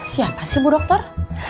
siapa sih bu dokter